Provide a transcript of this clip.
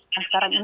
nah sekarang ini